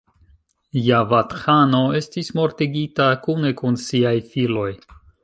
Javad-ĥano estis mortigita, kune kun siaj filoj.